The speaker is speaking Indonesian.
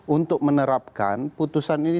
untuk menerapkan putusan ini